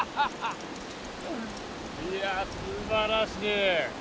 いやすばらしい！